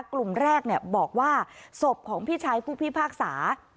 กลุ่มแรกบอกว่าศพของพี่ชายผู้พิพากษา